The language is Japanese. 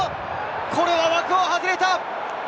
これは枠を外れた！